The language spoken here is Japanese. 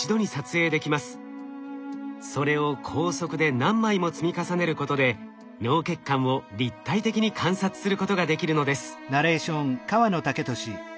それを高速で何枚も積み重ねることで脳血管を立体的に観察することができるのです。